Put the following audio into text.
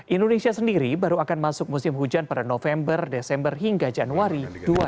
indonesia sendiri baru akan masuk musim hujan pada november desember hingga januari dua ribu dua puluh